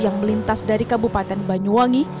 yang melintas dari kabupaten banyuwangi